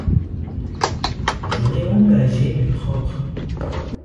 J’aurais engagé mes propres.